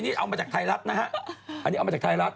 ขอดีเอามาจากไทยรัฐนะฮะ